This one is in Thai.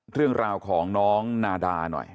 เรื่องราวของน้องนาดาหน่อย